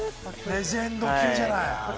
レジェンド級じゃない。